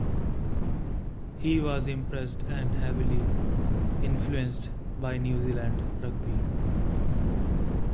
He was impressed and heavily influenced by New Zealand rugby.